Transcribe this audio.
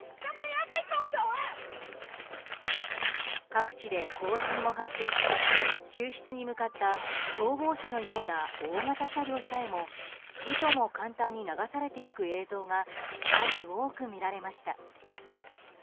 各地で洪水も発生し救出に向かった消防車のような大型車両さえもいとも簡単に流されていく映像が数多く見られました。